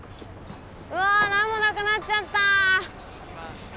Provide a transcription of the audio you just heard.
うわなんもなくなっちゃった。